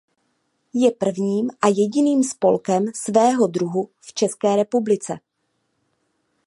Je prvním a jediným spolkem svého druhu v České republice.